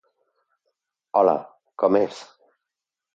Hola, com és?